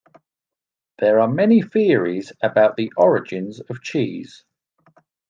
There are many theories about the origins of cheese.